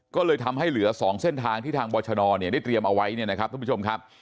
ก็เลยทำให้เหลือ๒เส้นทางที่ทางบรชนได้เตรียมเอาไว้เนี่ยนะครับทุกผู้ชมครับ